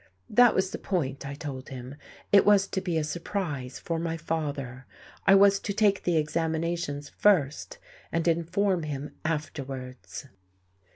That was the point, I told him. It was to be a surprise for my father; I was to take the examinations first, and inform him afterwards.